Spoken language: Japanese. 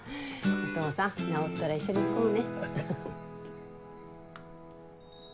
お父さん治ったら一緒に行こうね。